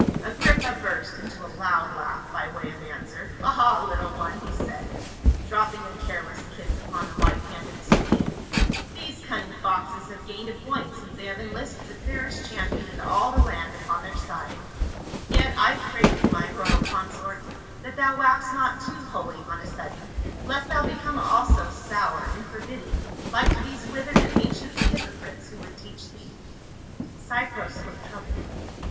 Agrippa burst into a loud laugh by way of answer. "Ah, little one," he said, dropping a careless kiss upon the white hand of his queen, "these cunning foxes have gained a point since they have enlisted the fairest champion in all the land upon their side ; yet I pray thee, my royal consort, that thou wax not too holy on a sudden, lest thou become also sour and forbidding like to these withered and ancient hypocrites who would teach thee." Cypros looked troubled.